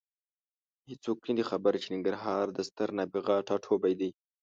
هېڅوک نه دي خبر چې ننګرهار د ستر نابغه ټاټوبی دی.